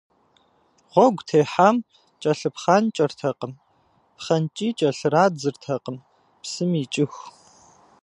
Гъуэгу техьам кӏэлъыпхъанкӏэртэкъым, пхъэнкӏии кӏэлърадзыртэкъым, псым икӏыху.